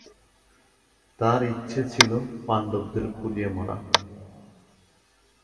তার ইচ্ছা ছিল পাণ্ডবদের পুড়িয়ে মারা।